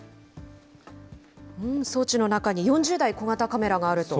装置の中に４０台、小型カメラがあると？